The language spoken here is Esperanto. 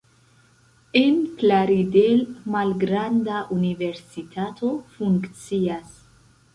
En Plaridel malgranda universitato funkcias.